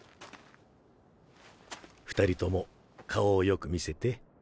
２人とも顔をよく見せて。